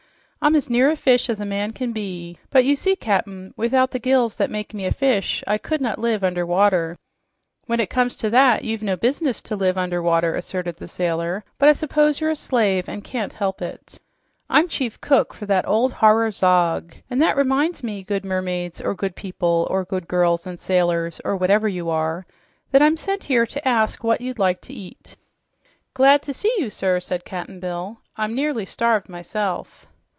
"I'm as near a fish as a man can be. But you see, Cap'n, without the gills that make me a fish, I could not live under water." "When it comes to that, you've no business to live under water," asserted the sailor. "But I s'pose you're a slave and can't help it." "I'm chief cook for that old horror Zog. And that reminds me, good mermaids, or good people, or good girls and sailors, or whatever you are, that I'm sent here to ask what you'd like to eat." "Good to see you, sir," said Cap'n Bill. "I'm nearly starved, myself."